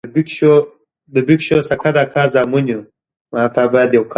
یوه غرمه یې لرغونو اثارو موزیم ته لاړ.